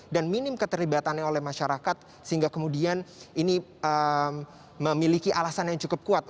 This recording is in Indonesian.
dan minim keterlibatannya oleh masyarakat sehingga kemudian ini memiliki alasan yang cukup kuat